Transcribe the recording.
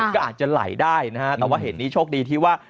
ก็อาจจะไหลได้นะฮะแต่ว่าเหตุนี้โชคดีที่ว่า